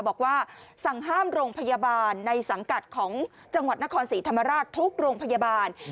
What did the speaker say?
บอกว่าสั่งห้ามโรงพยาบาลในสังกัดของจังหวัดนครศรีธรรมราชทุกโรงพยาบาล